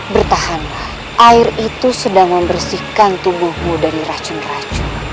bertahan air itu sedang membersihkan tubuhmu dari racun racun